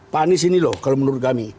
pak anies ini loh kalau menurut kami